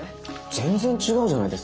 全然違うじゃないですか。